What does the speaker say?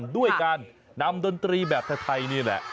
ด้วยการนำดนตรีแบบไทยนี่แหละ